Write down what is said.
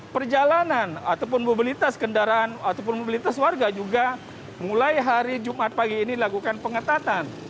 perjalanan ataupun mobilitas kendaraan ataupun mobilitas warga juga mulai hari jumat pagi ini dilakukan pengetatan